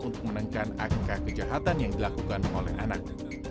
untuk menekan angka kejahatan yang dilakukan oleh anak